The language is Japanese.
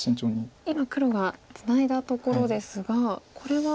今黒がツナいだところですがこれは。